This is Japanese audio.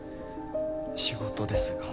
仕事ですが。